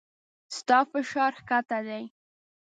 ستا فشار کښته دی